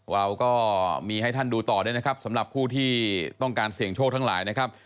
เราก็มีให้ท่านดูต่อด้วยนะครับสำหรับผู้ที่ต้องการเสี่ยงโชคทั้งหลายนะครับ